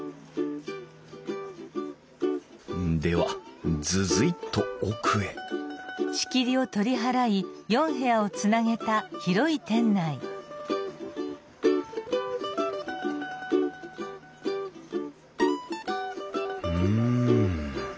ではズズィッと奥へうん。